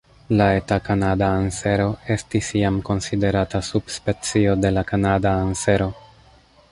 La Eta kanada ansero estis iam konsiderata subspecio de la Kanada ansero.